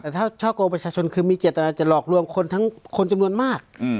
แต่ถ้าช่อกงประชาชนคือมีเจตนาจะหลอกลวงคนทั้งคนจำนวนมาก